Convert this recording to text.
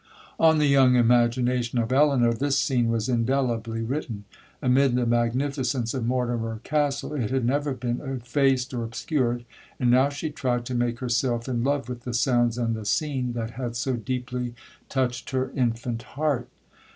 'On the young imagination of Elinor, this scene was indelibly written. Amid the magnificence of Mortimer Castle, it had never been effaced or obscured, and now she tried to make herself in love with the sounds and the scene that had so deeply touched her infant heart.